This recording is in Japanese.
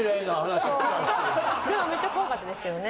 でもめっちゃ怖かったですけどね。